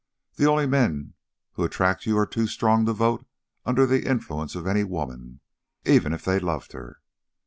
The only men who attract you are too strong to vote under the influence of any woman, even if they loved her.